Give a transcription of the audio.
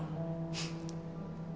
フッ。